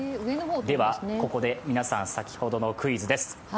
では、ここで皆さん、先ほどのクイズです。